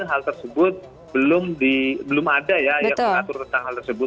hal tersebut belum ada ya yang mengatur tentang hal tersebut